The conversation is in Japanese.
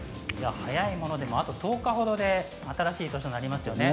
早いもので、あと１０日ほどで新しい年になりますよね。